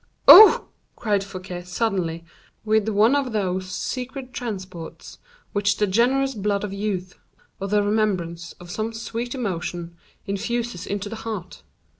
"Oh!" cried Fouquet, suddenly, with one of those secret transports which the generous blood of youth, or the remembrance of some sweet emotion, infuses into the heart.